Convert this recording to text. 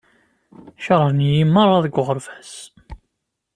Kerhen-iyi merra deg uɣerbaz.